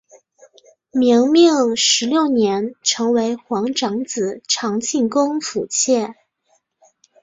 明命十六年成为皇长子长庆公府妾。